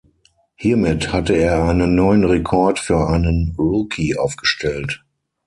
Hiermit hatte er einen neuen Rekord für einen Rookie aufgestellt.